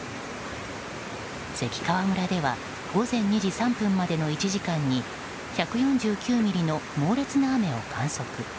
関川村では午前２時３分までの１時間に１４９ミリの猛烈な雨を観測。